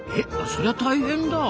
そりゃ大変だ。